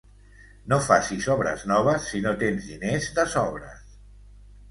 No facis obres noves si no tens diners de sobres.